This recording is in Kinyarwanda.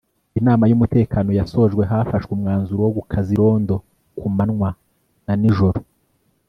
Inama y’umutekano yasojwe hafashwe umwanzuro wo gukaza irondo ku manwa na n’ijoro